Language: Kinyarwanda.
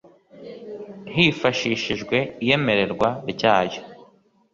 hifashishijwe iyemererwa ryayo